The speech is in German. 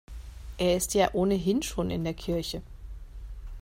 Er ist ja ohnehin schon in der Kirche.